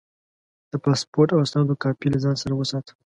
د پاسپورټ او اسنادو کاپي له ځان سره وساته.